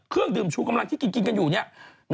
เครื่องดื่มชูกำลังที่กินกันอยู่เนี่ย